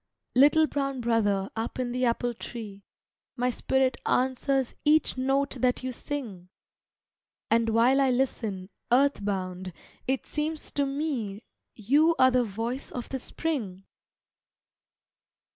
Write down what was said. Little brown brother, up in the apple tree, My spirit answers each note that you sing, And while I listen earth bound it seems to me You are the voice of the spring.